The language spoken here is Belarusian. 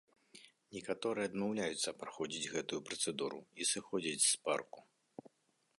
Некаторыя адмаўляюцца праходзіць гэтую працэдуру і сыходзяць з парку.